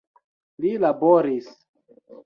Li laboris.